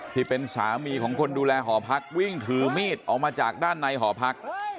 ที่เป็นสามีของคนดูแลหอพักวิ่งถือมีดออกมาจากด้านในหอพัก